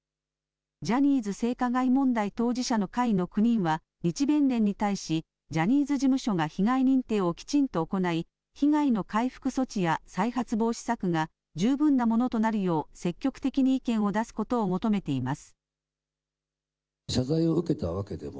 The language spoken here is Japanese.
ジャニーズ性加害問題当事者の会の９人は日弁連に対しジャニーズ事務所が被害認定をきちんと行い被害の回復措置や再発防止策が十分なものとなるよう積極的に意見を出すことを求めています。